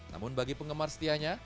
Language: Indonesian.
namun bagi penggemar setianya